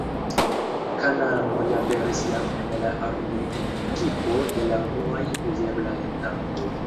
Kanonoj aperis jam en la armil-ekipo de la unuaj uzeblaj tankoj.